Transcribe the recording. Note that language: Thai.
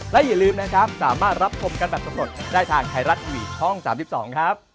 และอย่าลืมนะครับสามารถรับชมกันแบบสำรวจได้ทางไทยรัฐทีวีช่อง๓๒ครับ